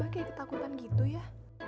ketakutan gitu ya